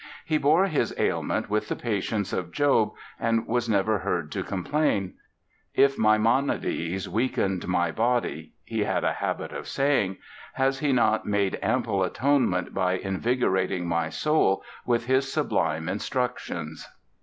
He bore his ailment with the patience of Job and was never heard to complain. "If Maimonides weakened my body", he had a habit of saying, "has he not made ample atonement by invigorating my soul with his sublime instructions?"